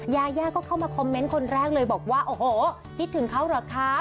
ยายาก็เข้ามาคอมเมนต์คนแรกเลยบอกว่าโอ้โหคิดถึงเขาเหรอคะ